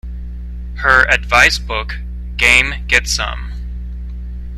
Her advice book Game, Get Some!